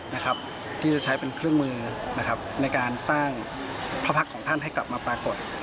ที่เจ้าใช้เป็นเครื่องมือในการสร้างพระพักษ์ให้กลับมาปรากฏ